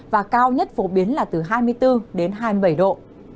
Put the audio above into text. và cao nhất phổ biến là từ hai mươi bốn đến hai mươi bảy độ